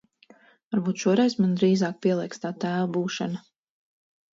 Varbūt šoreiz man drīzāk pielēks tā tēva būšana?